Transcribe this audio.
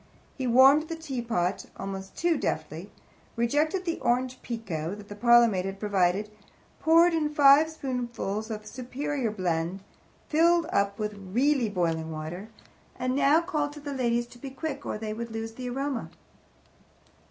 He warmed the teapot almost too deftly rejected the Orange Pekoe that the parlour maid had provided, poured in five spoonfuls of a superior blend, filled up with really boiling water, and now called to the ladies to be quick or they would lose the aroma.